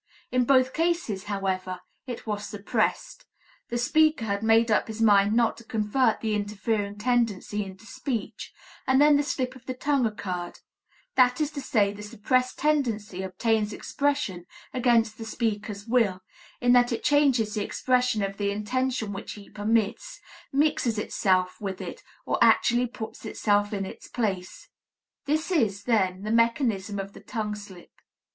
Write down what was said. In both cases, however, _it was suppressed. The speaker had made up his mind not to convert the interfering tendency into speech and then the slip of the tongue occurred; that is to say, the suppressed tendency obtains expression against the speaker's will, in that it changes the expression of the intention which he permits, mixes itself with it or actually puts itself in its place._ This is, then, the mechanism of the tongue slip.